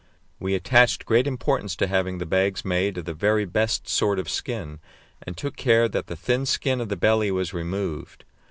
We attached great importance to having the bags made of the very best sort of skin, and took care that the thin skin of the belly was removed.